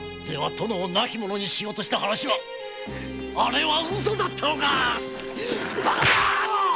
では殿を亡き者にしようとした話はあれは嘘だったのか